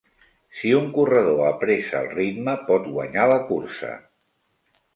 Si un corredor apressa el ritme, pot guanyar la cursa.